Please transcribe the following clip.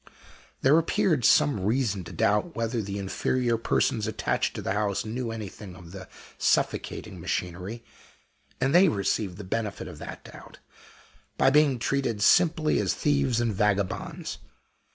There appeared some reason to doubt whether the inferior persons attached to the house knew anything of the suffocating machinery; and they received the benefit of that doubt, by being treated simply as thieves and vagabonds.